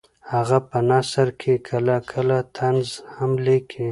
هغه په نثر کې کله کله طنز هم لیکي